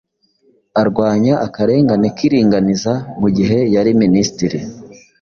arwanya akarengane k’iringaniza mu gihe yari Minisitiri